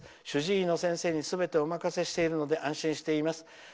主治医の先生にすべてお任せしているので安心しています。